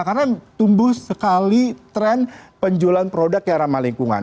karena tumbuh sekali tren penjualan produk ke ramah lingkungan